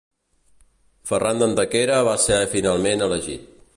Ferran d'Antequera va ser finalment elegit.